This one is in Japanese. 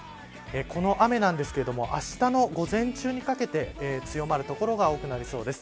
この雨なんですがあしたの午前中にかけて強まる所が多くなりそうです。